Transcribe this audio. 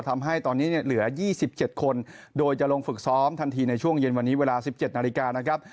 ทำให้ตอนนี้เนี่ยเหลือ๒๗คนโดยจะลงฝึกซ้อมทันทีในช่วงเย็นวันนี้เวลา๑๗นาฬิกานะครับ